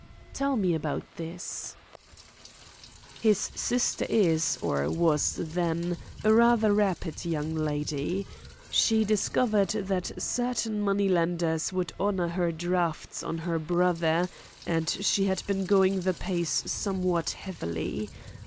"Tell me about this." "His sister is, or was then, a rather rapid young lady. She discovered that certain money lenders would honour her drafts on her brother, and she had been going the pace somewhat heavily.